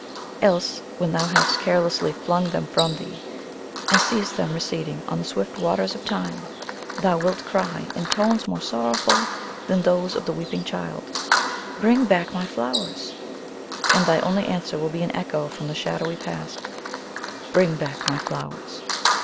Else, when thou hast carelessly flung them from thee, and seest them receding on the swift waters of Time, thou wilt cry, in tones more sorrowful than those of the weeping child, "Bring back my flowers!" And thy only answer will be an echo from the shadowy Past, "Bring back my flowers!"